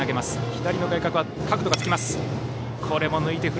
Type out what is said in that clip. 左の外角は角度がつきます。